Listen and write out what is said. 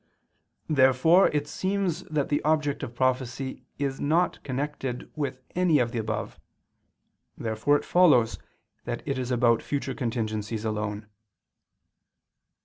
Therefore it seems that the object of prophecy is not connected with any of the above. Therefore it follows that it is about future contingencies alone.